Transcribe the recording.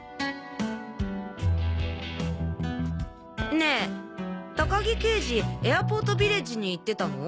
ねえ高木刑事エアポートヴィレッジに行ってたの？